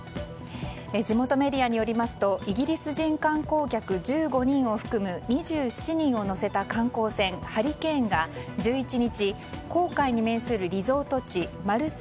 地元メディアによりますとイギリス人観光客１５人を含む２７人を乗せた観光船「ハリケーン」が１１日、紅海に面するリゾート地マルサ